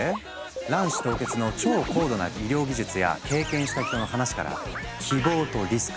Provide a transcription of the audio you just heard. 卵子凍結の超高度な医療技術や経験した人の話から希望とリスク